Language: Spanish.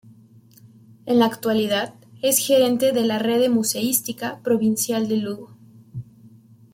En la actualidad es gerente de la "Rede Museística Provincial de Lugo.